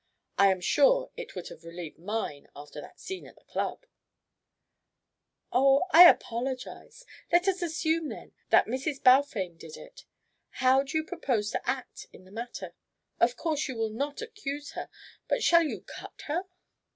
I am sure it would have relieved mine after that scene at the Club." "Oh I apologise. Let us assume then that Mrs. Balfame did it. How do you propose to act in the matter? Of course you will not accuse her, but shall you cut her?"